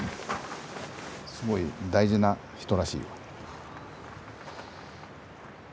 すごい大事な人らしいよ。